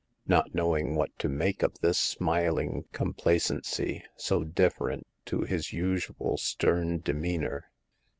Not knowing what to make of this smiling com placency, so different to his usual stern demeanor.